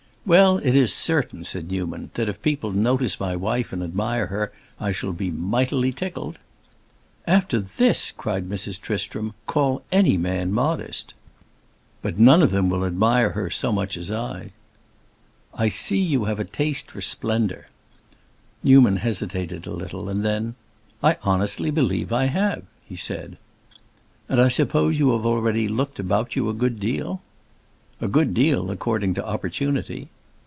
"Well, it is certain," said Newman, "that if people notice my wife and admire her, I shall be mightily tickled." "After this," cried Mrs. Tristram, "call any man modest!" "But none of them will admire her so much as I." "I see you have a taste for splendor." Newman hesitated a little; and then, "I honestly believe I have!" he said. "And I suppose you have already looked about you a good deal." "A good deal, according to opportunity."